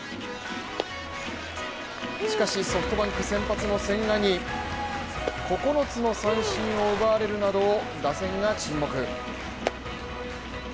しかし、ソフトバンク、先発の千賀に９つの三振を奪われるなど打線が沈黙。